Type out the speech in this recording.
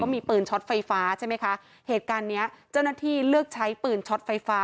มีปืนช็อตไฟฟ้าใช่ไหมคะเหตุการณ์เนี้ยเจ้าหน้าที่เลือกใช้ปืนช็อตไฟฟ้า